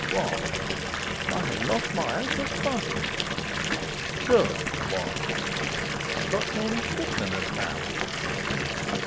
Good. 1. I have lost my uncle's body. 1. But then Pitman has found it.